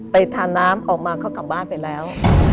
ทาน้ำออกมาเขากลับบ้านไปแล้ว